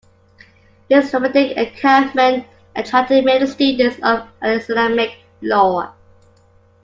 His nomadic encampment attracted many students of Islamic law.